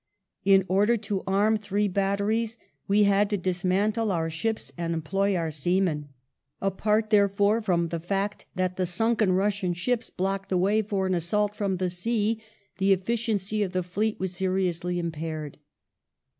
In order to arm three batteries we had to dismantle our ships and employ our seamen. Apart, therefore, from the fact that the sunken Russian ships blocked the way for an assault from the sea, the efficiency of the fleet was seri ously impaired.